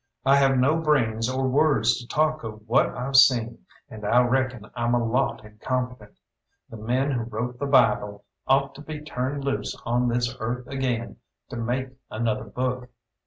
I have no brains or words to talk of what I've seen, and I reckon I'm a lot incompetent. The men who wrote the Bible ought to be turned loose on this earth again to make another book.